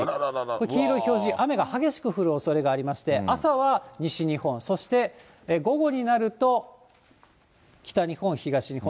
これ黄色い表示、雨が激しく降るおそれがありまして、朝は西日本、そして午後になると、北日本、東日本。